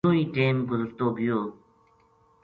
نوہی ٹیم گزرتو گیو